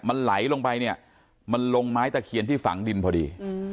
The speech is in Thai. มันไหลลงไปเนี่ยมันลงไม้ตะเคียนที่ฝังดินพอดี